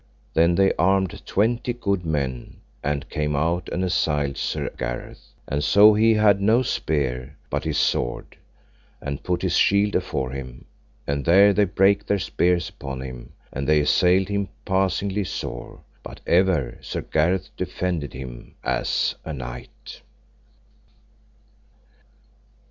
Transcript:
Then they armed twenty good men, and came out and assailed Sir Gareth; and so he had no spear, but his sword, and put his shield afore him; and there they brake their spears upon him, and they assailed him passingly sore. But ever Sir Gareth defended him as a knight.